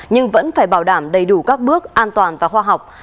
nhưng vẫn phải bảo đảm đầy đủ các bước an toàn và khoa học